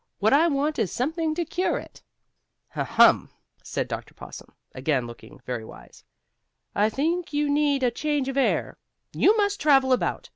"What I want is something to cure it." "Ha! Hum!" said Dr. Possum, again looking very wise. "I think you need a change of air. You must travel about.